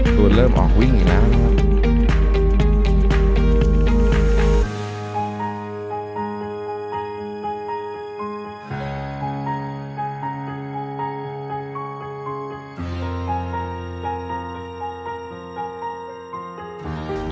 ส่วนเริ่มออกวิ่งอีกแล้วนะครับ